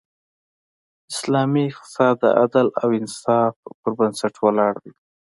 اسلامی اقتصاد د عدل او انصاف پر بنسټ ولاړ دی.